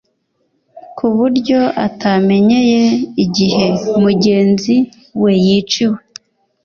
ku buryo atamenyeye igihe mugenzi we yiciwe